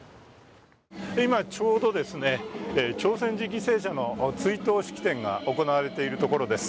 今ちょうど、朝鮮人犠牲者の追悼式典が行われているところです。